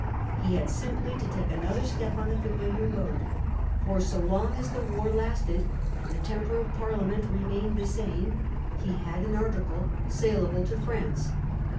He had simply to take another step on the familiar road ; for so long as the war lasted, and the temper of Parliament remained the same, he had an article Distress of saleable to France.